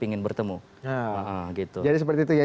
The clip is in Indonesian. ingin bertemu gitu jadi seperti itu ya